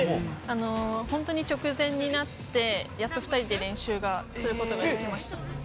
本当に直前になってやっと２人で練習をすることができました。